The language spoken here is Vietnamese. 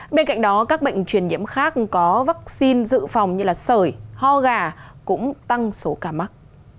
bên cạnh đó các bệnh truyền nhiễm khác có vaccine dự phòng như sởi ho gà cũng tăng số ca mắc